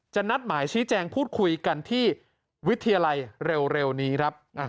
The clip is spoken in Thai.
นัดหมายชี้แจงพูดคุยกันที่วิทยาลัยเร็วนี้ครับ